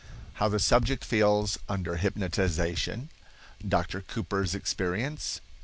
How the Subject Feels Under Hypnotization.—Dr. Cooper's Experience.